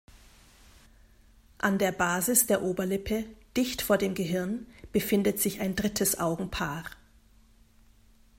An der Basis der Oberlippe, dicht vor dem Gehirn befindet sich ein drittes Augenpaar.